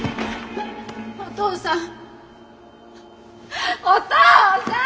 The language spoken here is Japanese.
お父さん！